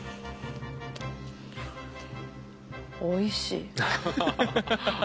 おいしい。